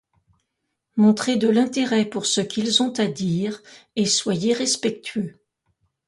Montrez de l'intérêt pour ce qu'ils ont à dire et soyez respectueux.